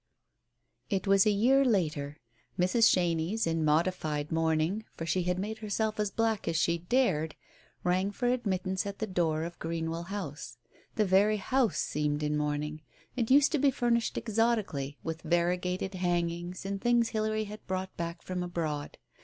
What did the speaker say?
••••••. It was a year later. Mrs. Chenies in modified mourn ing — for she had made herself as black as she dared — rang for admittance at the door of Greenwell House. The very house seemed in mourning. It used to be furnished exotically, with variegated hangings and things Hilary had brought back from abroad.